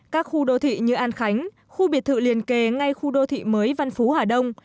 các khu đô thị như an khánh khu biệt thự liền kề ngay khu đô thị mới văn phú hà đông